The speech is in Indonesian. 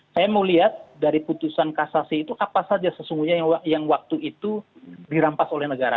saya mau lihat dari putusan kasasi itu apa saja sesungguhnya yang waktu itu dirampas oleh negara